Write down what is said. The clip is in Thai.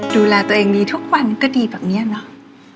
ดูแลตัวเองดีทุกวันก็ดีแบบนี้เนาะ